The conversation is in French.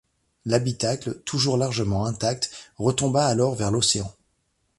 L'habitacle, toujours largement intact, retomba alors vers l'océan.